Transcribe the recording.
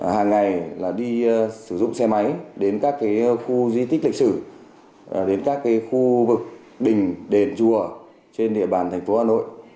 hàng ngày đi sử dụng xe máy đến các khu di tích lịch sử đến các khu vực đình đền chùa trên địa bàn thành phố hà nội